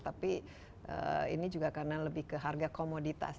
tapi ini juga karena lebih ke harga komoditas